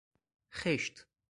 خشت